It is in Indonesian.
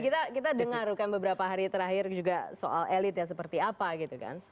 dan kita dengar kan beberapa hari terakhir juga soal elitnya seperti apa gitu kan